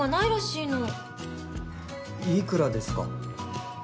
いくらですか？